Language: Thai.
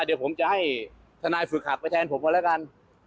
เดี๋ยวผมจะให้ทนายฝึกหักไปแทนผมกันแล้วกัน